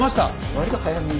割と早めに。